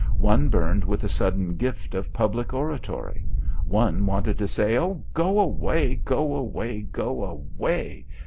One burned with a sudden gift of public oratory. One wanted to say: "Oh, go away, go away, go away.